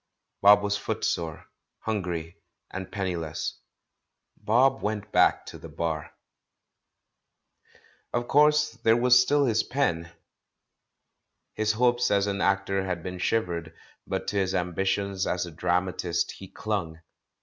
Bob was foot sore, hungry and penniless; Bob went back to the Bar. Of course there was still his pen. His hopes as S86 THE MAN WHO UNDERSTOOD WOMEN an actor had been shivered, but to his ambitions as a dramatist he clung.